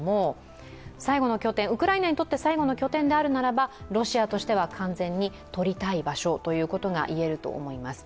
ウクライナにとって最後の拠点であるならばロシアとしては完全に取りたい場所ということが言えると思います。